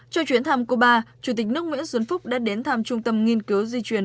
trong chuyến thăm cuba chủ tịch nước nguyễn xuân phúc đã đến thăm trung tâm nghiên cứu di truyền